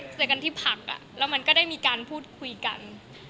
เจอกันที่พักแล้วมันก็ได้มีการพูดคุยกัน